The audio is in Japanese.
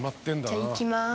じゃあいきます。